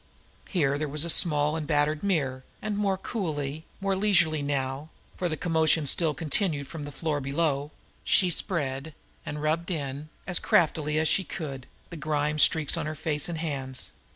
Here, there was a small and battered mirror, and more coolly, more leisurely now, for the commotion still continued from the floor below, she spread and rubbed in, as craftily as she could, the grime streaks on her face and hands.